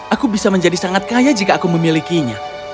aku bisa menjadi sangat kaya jika aku memilikinya